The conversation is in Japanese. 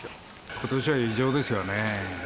ことしは異常ですよね。